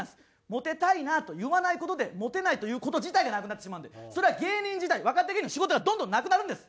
「モテたいな」と言わない事でモテないという事自体がなくなってしまうんでそれは芸人自体若手芸人の仕事がどんどんなくなるんです。